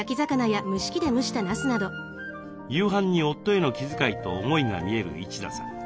夕飯に夫への気遣いと思いが見える一田さん。